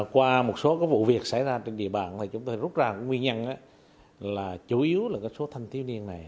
qua một số vụ việc xảy ra trên địa bàn chúng tôi rút ra nguyên nhân là chủ yếu là số thanh tiêu niên này